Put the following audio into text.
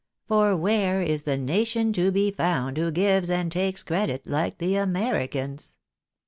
For where is the nation to be found who gives and takes credit like the Americans